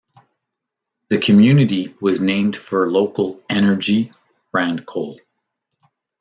The community was named for local "Energy" brand coal.